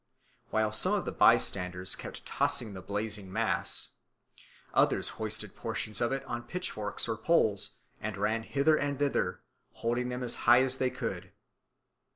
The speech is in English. While some of the bystanders kept tossing the blazing mass, others hoisted portions of it on pitchforks or poles and ran hither and thither, holding them as high as they could.